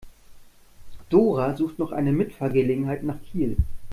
Dora sucht noch eine Mitfahrgelegenheit nach Kiel.